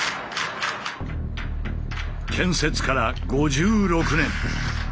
建設から５６年。